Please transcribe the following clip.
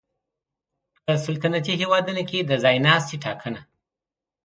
په سلطنتي هېوادونو کې د ځای ناستي ټاکنه